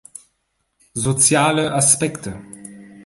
Soziale Aspekte.